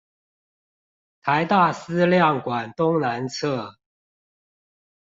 臺大思亮館東南側